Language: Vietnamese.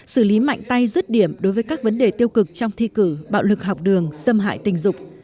xử lý mạnh tay rứt điểm đối với các vấn đề tiêu cực trong thi cử bạo lực học đường xâm hại tình dục